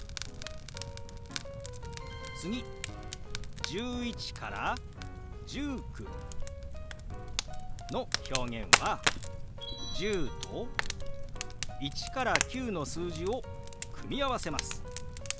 次１１から１９の表現は「１０」と１から９の数字を組み合わせます。